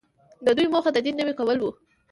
د دوی موخه د دین نوی کول وو.